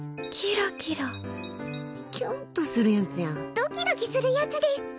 ドキドキするやつです！